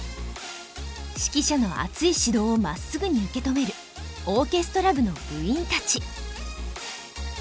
指揮者の熱い指導をまっすぐに受け止めるオーケストラ部の部員たち。